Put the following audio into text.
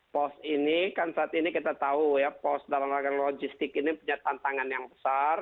pos ini kan saat ini kita tahu ya pos dalam rangka logistik ini punya tantangan yang besar